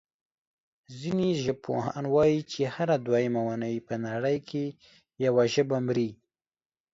ځینې ژبپوهان وايي چې هره دویمه اوونۍ په نړۍ کې یوه ژبه مري.